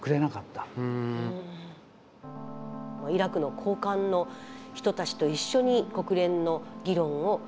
イラクの高官の人たちと一緒に国連の議論を見ている。